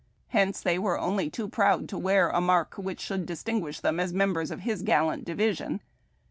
Hence they were only too proud to wear a mark which should distinguish them as members of his gallant division.